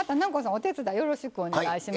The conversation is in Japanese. お手伝いよろしくお願いします。